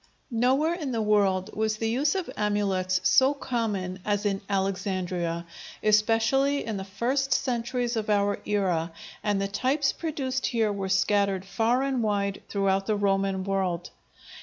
Nowhere in the world was the use of amulets so common as in Alexandria, especially in the first centuries of our era, and the types produced here were scattered far and wide throughout the Roman world.